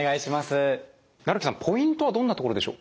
木さんポイントはどんなところでしょう？